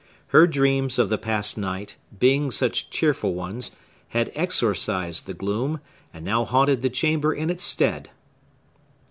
Her dreams of the past night, being such cheerful ones, had exorcised the gloom, and now haunted the chamber in its stead.